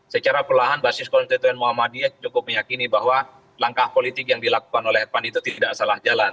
secara perlahan basis konstituen muhammadiyah cukup meyakini bahwa langkah politik yang dilakukan oleh pan itu tidak salah jalan